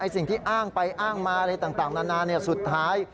สิ่งที่อ้างไปอ้างมาอะไรต่างนานาสุดท้าย